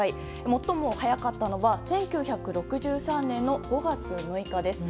最も早かったのは１９６３年の５月６日です。